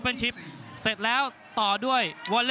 ภูตวรรณสิทธิ์บุญมีน้ำเงิน